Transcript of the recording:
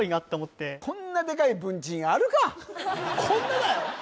こんなだよ